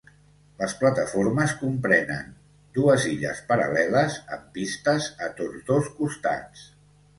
Les plataformes comprenen dues illes paral·leles amb pistes a tots dos costats.